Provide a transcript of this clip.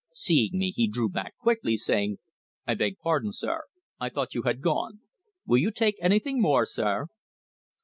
Seeing me, he drew back quickly, saying: "I beg pardon, sir. I thought you had gone. Will you take anything more, sir?"